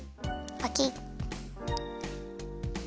パキッ。